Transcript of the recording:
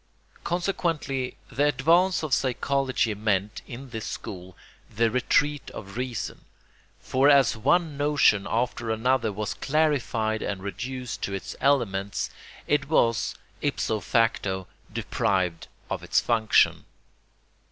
Consequently the advance of psychology meant, in this school, the retreat of reason; for as one notion after another was clarified and reduced to its elements it was ipso facto deprived of its function.